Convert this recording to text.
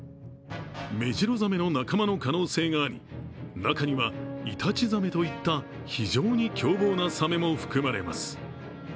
メジロザメの仲間の可能性があり、中にはイタチザメといった非常に凶暴なサメも含まれます。